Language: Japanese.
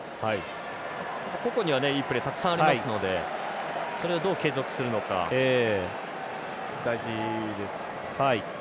個々にはいいプレーたくさんありますのでそれをどう継続するのか大事です。